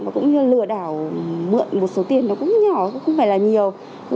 và cũng như lừa đảo mượn một số tiền nó cũng nhỏ cũng không phải là nhiều